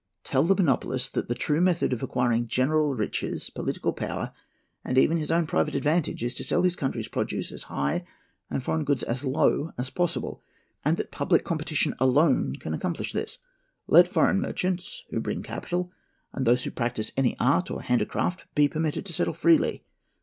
Tell the monopolist that the true method of acquiring general riches, political power, and even his own private advantage, is to sell his country's produce as high, and foreign goods as low, as possible, and that public competition can alone accomplish this. Let foreign merchants, who bring capital, and those who practise any art or handicraft, be permitted to settle freely.